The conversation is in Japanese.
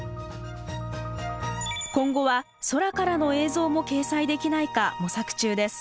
今後は空からの映像も掲載できないか模索中です。